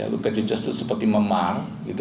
luka jejaz itu seperti memar